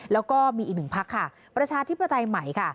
แล้วก็มีอีกหนึ่งพักค่ะประชาธิปไตยใหม่ค่ะ